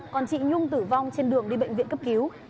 còn chị nhung tử vong trên đường đi bệnh viện cấp cứu